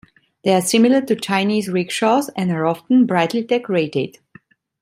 They are similar to Chinese rickshaws and are often brightly decorated.